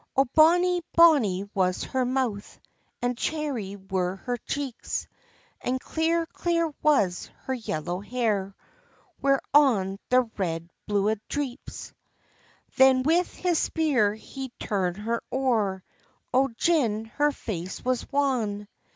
Oh, bonnie, bonnie was her mouth, And cherry were her cheeks; And clear, clear was her yellow hair, Whereon the red bluid dreeps. Then with his spear he turn'd her o'er, Oh, gin her face was wan!